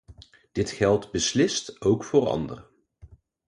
Dit geldt beslist ook voor anderen.